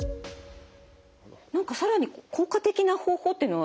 何か更に効果的な方法っていうのはあるんですか？